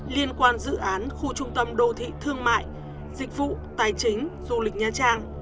liên quan dự án khu trung tâm đô thị thương mại dịch vụ tài chính du lịch nha trang